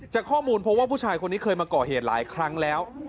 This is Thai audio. ข้อมูลเพราะว่าผู้ชายคนนี้เคยมาก่อเหตุหลายครั้งแล้ว